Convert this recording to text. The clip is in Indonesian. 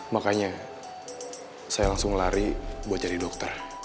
makanya saya langsung lari buat jadi dokter